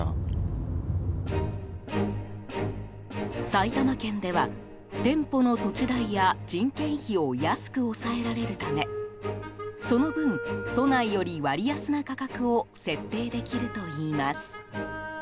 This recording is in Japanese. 埼玉県では、店舗の土地代や人件費を安く抑えられるためその分、都内より割安な価格を設定できるといいます。